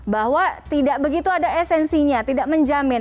bahwa tidak begitu ada esensinya tidak menjamin